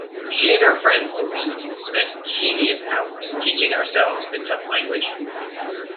She and her friend Louise spent tedious hours teaching ourselves the Tut language.